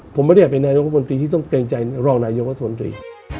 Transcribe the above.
ผมไม่ได้แก่ไหนนายธรรมดิที่ต้องเกรงใจรองนายธรรมดิ